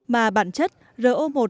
mà bản chất ro một đều